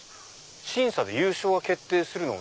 審査で優勝が決定するのが。